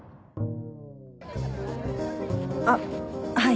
あっはい。